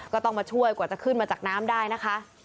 ก็ต้องมาช่วยกว่าจะขึ้นมาจากน้ำได้นะคะ